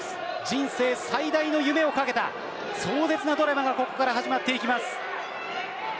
人生最大の夢をかけた壮絶なドラマがここから始まっていきます。